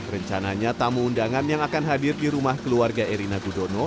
rencananya tamu undangan yang akan hadir di rumah keluarga erina gudono